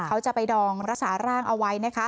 เขาจะไปดองรักษาร่างเอาไว้นะคะ